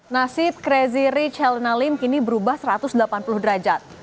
nasib crazy richelina lim kini berubah satu ratus delapan puluh derajat